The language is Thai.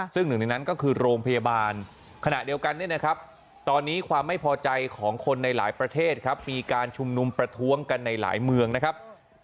ซึ่งหนึ่งในนั้นก็คือโรงพยาบาลขณะเดียวกันเนี่ยนะครับตอนนี้ความไม่พอใจของคนในหลายประเทศครับมีการชุมนุมประท้วงกันในหลายเมืองนะครับ